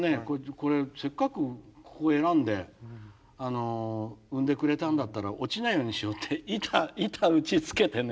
「これせっかくここ選んで産んでくれたんだったら落ちないようにしよう」って板打ちつけてね